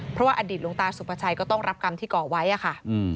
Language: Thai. เพราะว่าอดีตหลวงตาสุภาชัยก็ต้องรับกรรมที่ก่อไว้อะค่ะ